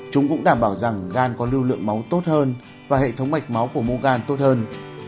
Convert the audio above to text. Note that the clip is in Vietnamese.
chúng cũng đảm bảo rằng gan có lưu lượng máu tốt hơn và hệ thống mạch máu của mugan tốt hơn